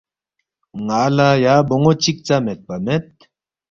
”ن٘ا لہ یا بون٘و چِک ژا میدپا مید